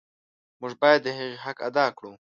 موږ باید د هغې حق ادا کړو.